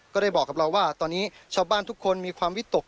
ก็ได้บอกกับเราว่าตอนนี้ชาวบ้านทุกคนมีความวิตก